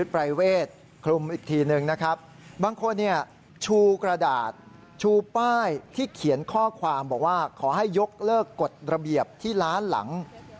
ป้ายที่เขียนข้อความบอกว่าขอให้ยกเลิกกฎระเบียบที่ร้านหลัง